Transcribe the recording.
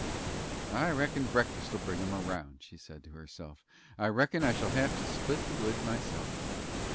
"I reckon breakfast'll bring 'em round," she said to herself. "I reckon I shall have to split the wood myself."